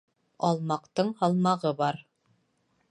Алмаҡтың һалмағы бар.